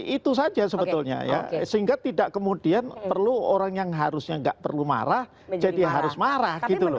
itu saja sebetulnya ya sehingga tidak kemudian perlu orang yang harusnya nggak perlu marah jadi harus marah gitu loh